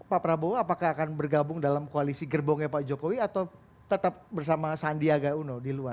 pak prabowo apakah akan bergabung dalam koalisi gerbongnya pak jokowi atau tetap bersama sandiaga uno di luar